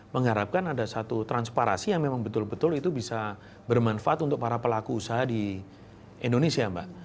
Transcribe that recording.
mengharapkan ada satu transparansi yang memang betul betul itu bisa bermanfaat untuk para pelaku usaha di indonesia mbak